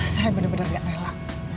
saya bener bener gak rela